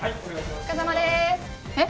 お疲れさまですえっ？